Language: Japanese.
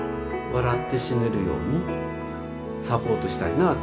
笑って死ねるようにサポートしたいなあと思っています。